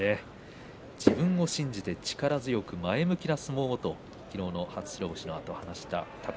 自分を信じて力強く前向きな相撲をと昨日の初白星のあと話していました。